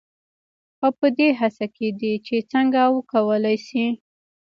او پـه دې هـڅـه کې دي چـې څـنـګه وکـولـى شـي.